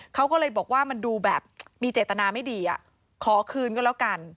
เขาก็เลยบอกว่ามันดูแบบมีเจตนาไม่ดีขอคืนก็แล้วกัน